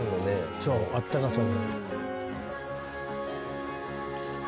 そうあったかさで。